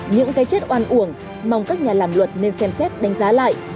những cái chết oan uổng mong các nhà làm luật nên xem xét đánh giá lại